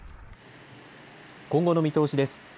今後の見通しです。